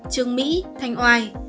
trường mỹ thanh oai